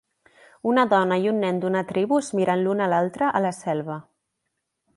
Una dona i un nen d'una tribu es miren l'un a l'altre a la selva.